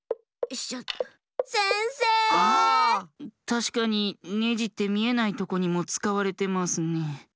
たしかにネジってみえないとこにもつかわれてますね。